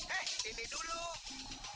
eh ini dulu